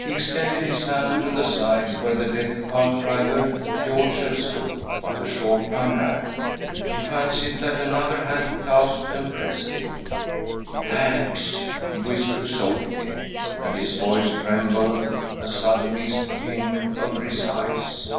He extended his hand to the side where the Death cart driver, George, had stood but a short time back. He fancied that another hand clasped and pressed it. " Thanks I " he whispered softly, ..\ V i c 1 .' and his voice trembled, a sudden mist came over his eyes.